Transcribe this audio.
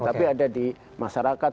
tapi ada di masyarakat